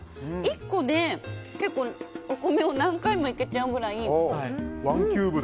１個で結構お米を何回もいけちゃうぐらい。